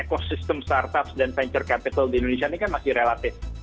ecosystem start ups dan venture capital di indonesia ini kan masih relatif